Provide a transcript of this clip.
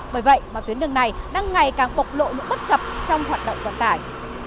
bởi vậy mà tuyến đường này đang ngày càng bộc lộ những bất cập trong hoạt động vận tải